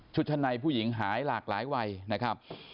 ชั้นในผู้หญิงหายหลากหลายวัยนะครับ